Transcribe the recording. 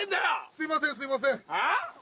すいませんすいませんああ？